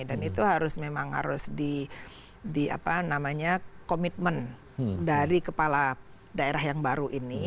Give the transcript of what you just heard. dan itu memang harus di komitmen dari kepala daerah yang baru ini